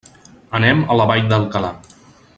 Anem a la Vall d'Alcalà.